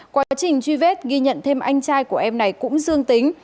quá trình truy vết ghi nhận thêm anh trai của em này cũng dương tính